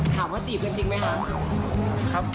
ถามว่าตีบเป็นจริงมั๊ยครับ